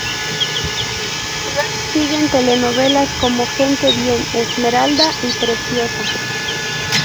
Luego siguen telenovelas como Gente bien, Esmeralda y Preciosa.